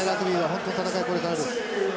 本当の戦いはこれからです。